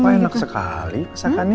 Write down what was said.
enak sekali masakannya